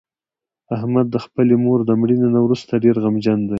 احمد د خپلې مور د مړینې نه ورسته ډېر غمجن دی.